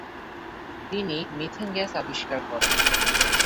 তিনি methane gas আবিষ্কার করেন।